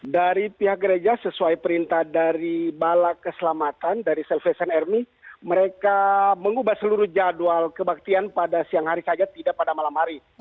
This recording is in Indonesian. dari pihak gereja sesuai perintah dari bala keselamatan dari self faisal earmy mereka mengubah seluruh jadwal kebaktian pada siang hari saja tidak pada malam hari